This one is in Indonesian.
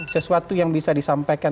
sesuatu yang bisa disampaikan